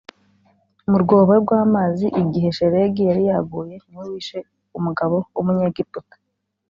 mu rwobo rw amazi igihe shelegi yari yaguye ni we wishe umugabo w umunyegiputa